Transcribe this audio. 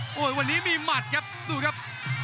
โอ้โหวันนี้มีหมัดครับดูครับ